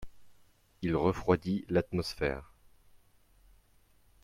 il refroidit l'atmosphère.